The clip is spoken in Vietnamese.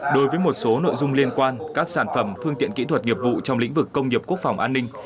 đối với một số nội dung liên quan các sản phẩm phương tiện kỹ thuật nghiệp vụ trong lĩnh vực công nghiệp quốc phòng an ninh